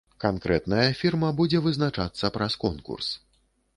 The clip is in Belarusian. Канкрэтная фірма будзе вызначацца праз конкурс.